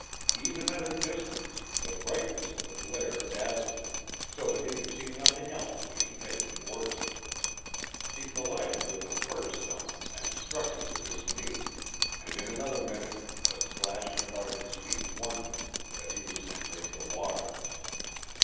Even at a distance, the brightness of the glare dazzled him, so that he could see nothing else when he headed towards it. He collided with a fir stump and struck it with his knee, and in another minute the splashing about his feet warned him that he was entering the water.